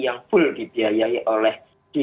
yang full dibiayai oleh